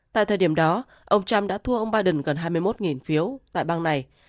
tại thời điểm đó ông trump đã thua ông biden gần hai mươi một phiếu tại bang này